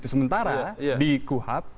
sementara di kuhap